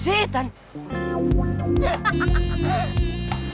berarti yang ketiga